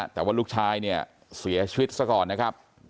แต่ว่าลูกชายเนี่ยเสียชีวิตซะก่อนนะครับ